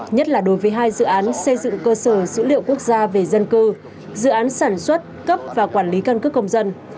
nhất là đối với hai dự án xây dựng cơ sở dữ liệu quốc gia về dân cư dự án sản xuất cấp và quản lý căn cước công dân